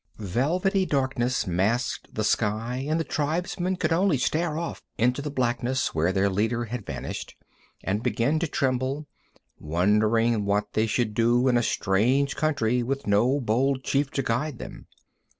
Velvety darkness masked the sky, and the tribesmen could only stare off into the blackness, where their leader had vanished, and begin to tremble, wondering what they should do in a strange country with no bold chief to guide them.